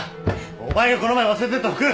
お前がこの前忘れてった服！